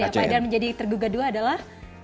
dan menjadi tergugat dua adalah